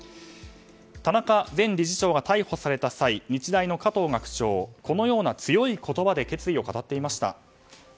田中前理事長が逮捕された際に日大の加藤学長はこのような強い言葉で決意を語っていました。